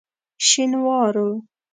شینوارو.